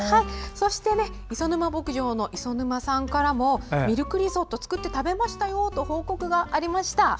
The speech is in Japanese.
そして磯沼牧場の磯沼さんからもミルクリゾット作って食べましたよと報告がありました。